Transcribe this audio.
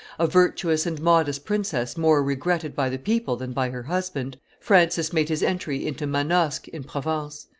a virtuous and modest princess more regretted by the people than by her husband, Francis made his entry into Manosque, in Provence.